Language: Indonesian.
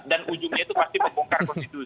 dan ujungnya itu pasti membongkar konstitusi